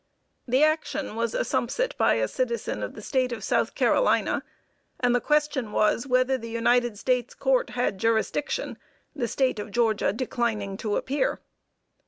The action was assumpsit by a citizen of the State of South Carolina, and the question was, whether the United States Court had jurisdiction, the State of Georgia declining to appear.